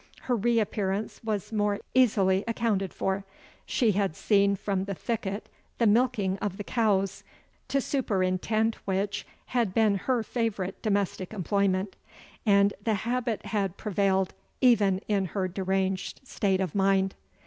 Her re appearance was more easily accounted for. She had seen from the thicket the milking of the cows, to superintend which had been her favourite domestic employment, and the habit had prevailed even in her deranged state of mind.